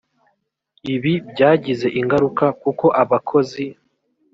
ibi byagize ingaruka kuko abakozi